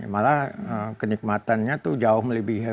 malah kenikmatannya itu jauh melibatkan